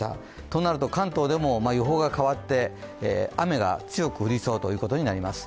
となると、関東でも予報が変わって、雨が強く降りそうということになります。